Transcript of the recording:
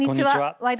「ワイド！